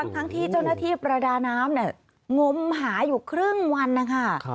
ทั้งที่เจ้าหน้าที่ประดาน้ำงมหาอยู่ครึ่งวันนะคะ